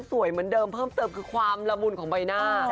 เหมือนเดิมเพิ่มเติมคือความละมุนของใบหน้า